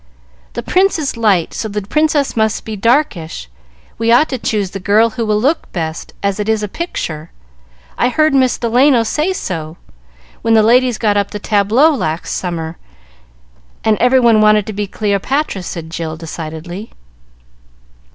"The Prince is light, so the Princess must be darkish. We ought to choose the girl who will look best, as it is a picture. I heard Miss Delano say so, when the ladies got up the tableaux, last winter, and every one wanted to be Cleopatra," said Jill decidedly.